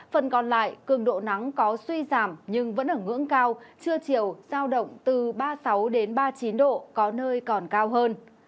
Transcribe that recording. phần còn lại cường độ nắng có suy giảm nhưng vẫn ở ngưỡng cao trưa chiều giao động từ ba mươi sáu đến ba mươi chín độ có nơi còn cao hơn